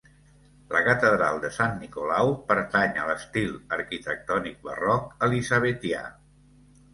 La catedral de Sant Nicolau pertany a l'estil arquitectònic barroc elisabetià.